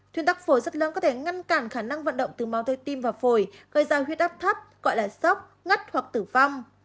thuyên phổi rất lớn có thể ngăn cản khả năng vận động từ máu cơi tim và phổi gây ra huyết áp thấp gọi là sốc ngắt hoặc tử vong